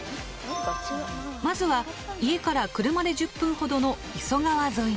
まずは家から車で１０分ほどの磯川沿いに。